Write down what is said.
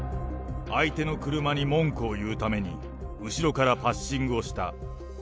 相手の車に文句を言うために、後ろからパッシングをした。